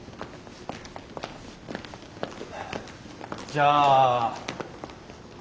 じゃあ。